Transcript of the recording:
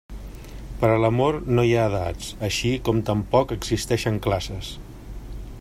Per a l'amor no hi ha edats, així com tampoc existeixen classes.